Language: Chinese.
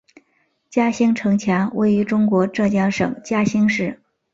嘉兴城墙位于中国浙江省嘉兴市。